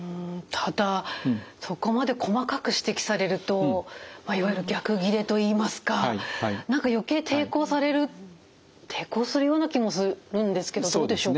ただそこまで細かく指摘されるといわゆる逆ギレといいますか何か余計抵抗される抵抗するような気もするんですけどどうでしょうか？